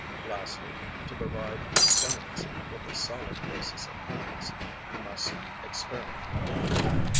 Lastly, to provide science with a solid basis of facts, he must experiment.